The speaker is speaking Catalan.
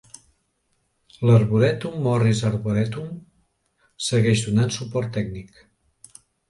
L'arborètum Morris Arboretum segueix donant suport tècnic.